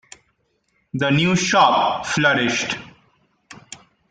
The new shop flourished.